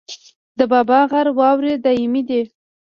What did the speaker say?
د بابا غر واورې دایمي دي